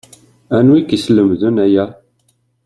Anwi i k-yeslemden aya